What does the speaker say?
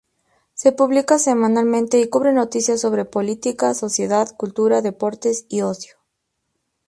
Se publica semanalmente y cubre noticias sobre política, sociedad, cultura, deportes y ocio.